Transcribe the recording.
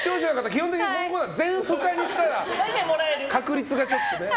基本的に全不可にしたら確率がちょっとね。